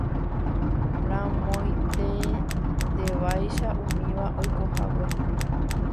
ramoiténtevaicha umíva oikohague